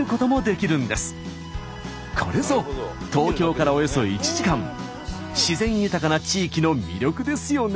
これぞ東京からおよそ１時間自然豊かな地域の魅力ですよね。